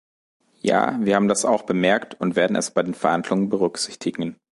Ja, wir haben das auch bemerkt und werden es bei den Verhandlungen berücksichtigen.